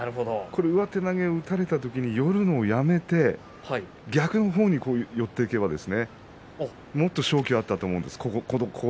上手投げを打たれた時に寄るのをやめて逆の方に寄っていけばもっと勝機があったと思いますね。